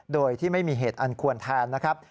โดยที่ไม่มีเหตุอันควรแทนนะครับ